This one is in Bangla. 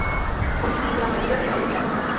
বলেছি কি যে আমার রিজার্ভেশন অলরেডি কনফার্ম হয়েছে?